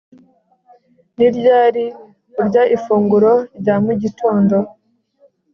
Ni ryari urya ifunguro rya mu gitondo